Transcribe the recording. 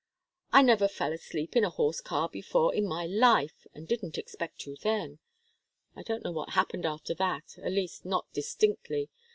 I never fell asleep in a horse car before in my life, and didn't expect to then. I don't know what happened after that at least not distinctly.